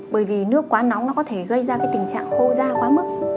bởi vì nước quá nóng có thể gây ra tình trạng khô da quá mức